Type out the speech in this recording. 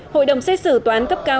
hội đồng xét xử tòa án cấp cao